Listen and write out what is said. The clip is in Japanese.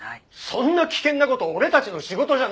そんな危険な事俺たちの仕事じゃない！